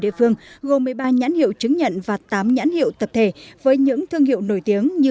địa phương gồm một mươi ba nhãn hiệu chứng nhận và tám nhãn hiệu tập thể với những thương hiệu nổi tiếng như